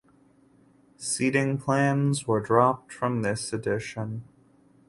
Seating plans were dropped from this edition.